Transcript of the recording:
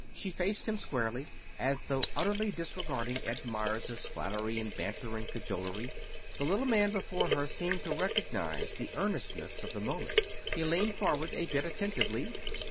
She faced him squarely, as though utterly disregarding Ed Meyers' flattery and banter and cajolery. The little man before her seemed to recognize the earnestness of the moment. He leaned forward a bit attentively.